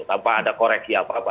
tanpa ada koreksi apa apa